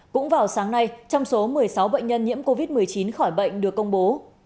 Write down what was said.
cũng vào sáng nay trong số một mươi sáu bệnh nhân nhiễm covid một mươi chín khỏi bệnh được công bố